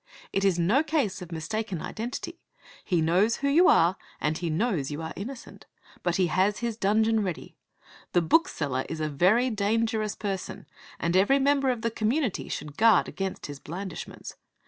It is no case of mistaken identity; he knows who you are, and he knows you are innocent. But he has his dungeon ready. The bookseller is a very dangerous person, and every member of the community should guard against his blandishments.